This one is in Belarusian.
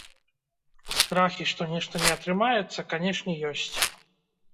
Страхі, што нешта не атрымаецца, канешне, ёсць.